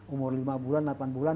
umur lima bulan delapan bulan